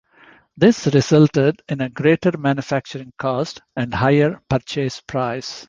This resulted in a greater manufacturing cost, and higher purchase price.